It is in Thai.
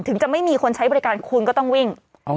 จะไม่มีคนใช้บริการคุณก็ต้องวิ่ง